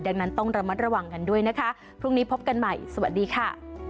ดังนั้นต้องระมัดระวังกันด้วยนะคะพรุ่งนี้พบกันใหม่สวัสดีค่ะ